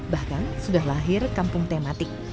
bahkan sudah lahir kampung tematik